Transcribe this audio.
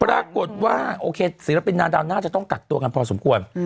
ปรากฏว่าโอเคศิลปินนาดาวน่าจะต้องกักตัวกันพอสมควร